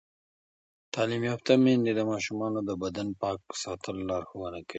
تعلیم یافته میندې د ماشومانو د بدن پاک ساتلو لارښوونه کوي.